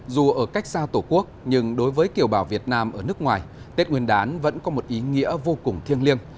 dù ở cách xa tổ quốc nhưng đối với kiều bào việt nam ở nước ngoài tết nguyên đán vẫn có một ý nghĩa vô cùng thiêng liêng